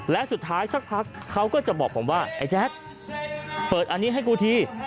และสุดท้ายสักพักเขาก็จะบอกผมว่าไอ้แจ๊คเปิดอันนี้ให้กูที